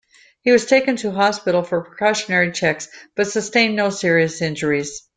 He was taken to hospital for precautionary checks, but sustained no serious injuries.